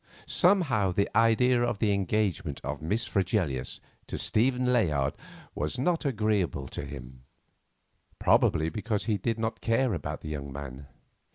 Somehow the idea of the engagement of Miss Fregelius to Stephen Layard was not agreeable to him; probably because he did not care about the young man.